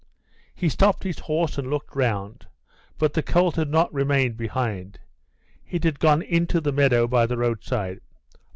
He stopped his horse and looked round, but the colt had not remained behind; it had gone into the meadow by the roadside.